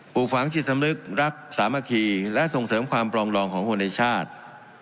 ลูกฝังจิตสำนึกรักสามัคคีและส่งเสริมความปรองดองของคนในชาติ